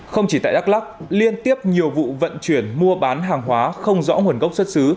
không chỉ tại đắk lắc liên tiếp nhiều vụ vận chuyển mua bán hàng hóa không rõ nguồn gốc xuất xứ